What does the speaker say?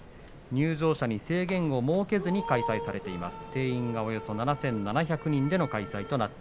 入場者に制限を設けずに開催されています。